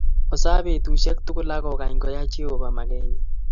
Osaa betushek tuguk akokany koyai Jeovah makenyi